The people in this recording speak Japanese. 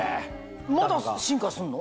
まだ進化すんの？